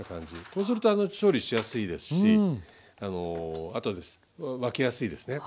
こうすると調理しやすいですし後で分けやすいですね。